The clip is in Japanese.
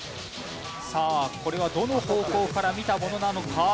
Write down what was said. さあこれはどの方向から見たものなのか？